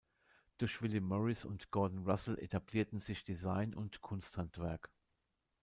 Durch William Morris und Gordon Russell etablierten sich Design und Kunsthandwerk.